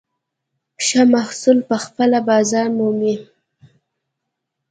ښه محصول پخپله بازار مومي.